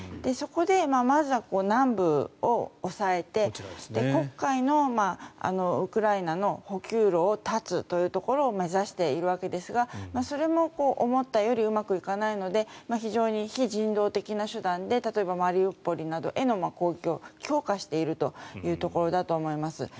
そこで、まずは南部を押さえて黒海のウクライナの補給路を断つというところを目指しているわけですがそれも思ったよりうまくいかないので非常に非人道的手段で例えばマリウポリなどへの攻撃を強化しているというところだと思います。